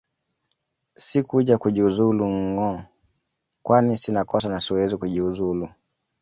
Sikuja kujiuzulu ngo kwani sina kosa na siwezi kujiuzulu